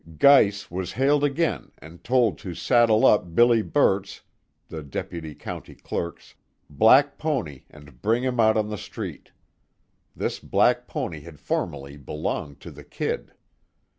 Geiss was hailed again and told to saddle up Billy Burt's, the Deputy County Clerk's, black pony and bring him out on the street. This black pony had formerly belonged to the "Kid."